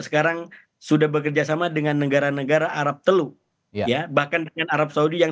sekarang sudah bekerjasama dengan negara negara arab teluk ya bahkan dengan arab saudi yang